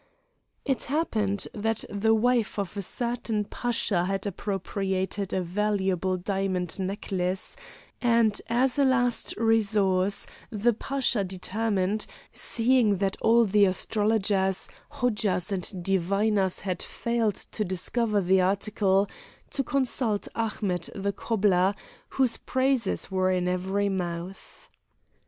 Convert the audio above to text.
It happened that the wife of a certain Pasha had appropriated a valuable diamond necklace, and as a last resource, the Pasha determined, seeing that all the astrologers, Hodjas, and diviners had failed to discover the article, to consult Ahmet the cobbler, whose praises were in every mouth.